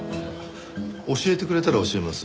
教えてくれたら教えます。